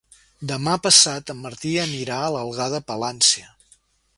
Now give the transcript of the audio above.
Demà passat en Martí anirà a Algar de Palància.